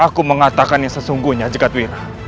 aku mengatakannya sesungguhnya jagadwira